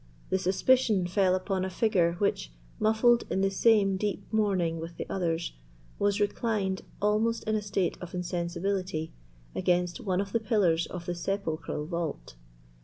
The suspicion fell upon a figure which, muffled in the same deep mourning with the others, was reclined, almost in a state of insensibility, against one of the pillars of the sepulchral vault.